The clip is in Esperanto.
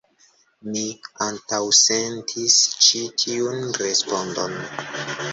Mi antaŭsentis ĉi tiun respondon.